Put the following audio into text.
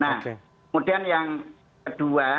nah kemudian yang kedua